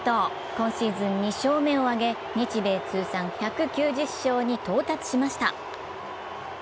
今シーズン２勝目を挙げ、日米通算１９０勝に到達しました。